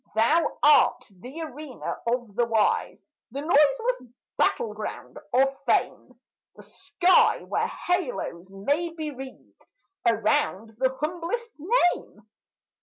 Thou art the arena of the wise, The noiseless battle ground of fame; The sky where halos may be wreathed Around the humblest name.